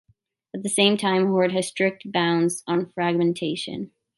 At the same time, Hoard has strict bounds on fragmentation.